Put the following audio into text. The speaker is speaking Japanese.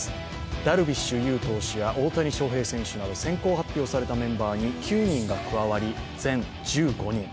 ダルビッシュ有や大谷翔平など先行発表されたメンバーに９人が加わり全１５人。